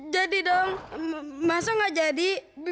jadi dong masa nggak jadi